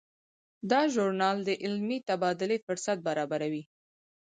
دا ژورنال د علمي تبادلې فرصت برابروي.